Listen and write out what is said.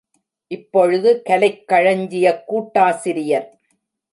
இப்பொழுது கலைக் களஞ்சியக் கூட்டாசிரியர்.